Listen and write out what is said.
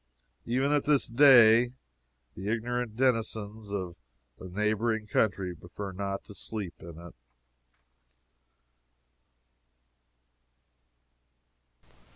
Even at this day the ignorant denizens of the neighboring country prefer not to sleep in it.